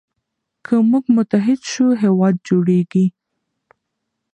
که موږ متحد سو هیواد جوړیږي.